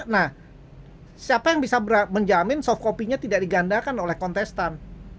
nah siapa yang bisa menjamin soft copy nya tidak digandakan oleh kontestan